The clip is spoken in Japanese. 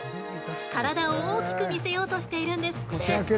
体を大きく見せようとしているんですって。